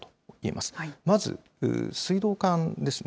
まず水道管ですね。